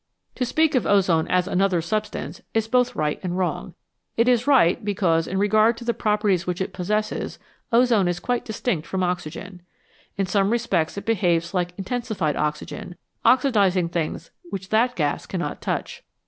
To speak of ozone as " another substance " is both right and wrong. It is right because, in regard to the pro perties which it possesses, ozone is quite distinct from oxygen. In some respects it behaves like intensified oxygen, oxidising things which that gas cannot touch.